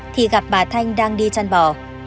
thì gặp bà thanh đang đi chăn bò